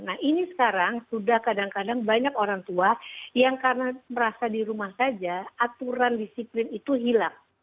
nah ini sekarang sudah kadang kadang banyak orang tua yang karena merasa di rumah saja aturan disiplin itu hilang